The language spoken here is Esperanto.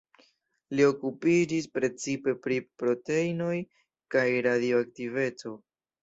Li okupiĝis precipe pri proteinoj kaj radioaktiveco.